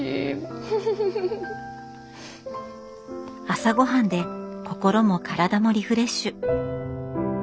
朝ごはんで心も体もリフレッシュ。